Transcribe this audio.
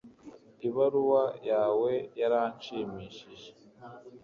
Ibaruwa yawe yaranshimishije